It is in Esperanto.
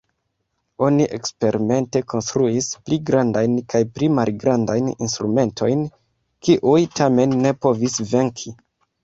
Oni eksperimente konstruis pli grandajn kaj pli malgrandajn instrumentojn, kiuj tamen ne povis venki.